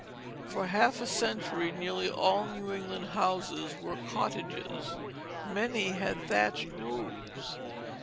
For half a century nearly all New England houses were cottages. Many had thatched roofs.